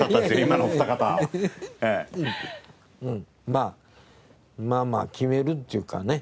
まあまあまあ決めるっていうかね。